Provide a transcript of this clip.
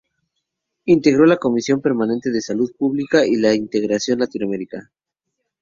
Integró la Comisión Permanente de Salud Pública; y la de Integración Latinoamericana.